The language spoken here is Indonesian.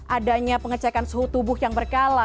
adanya pengecekan suhu tubuh yang berkala